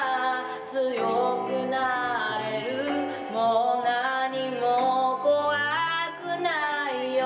「強くなれるもう何も恐くないヨ」